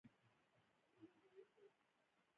افغان خاوره تل د یرغلګرو هدف وه.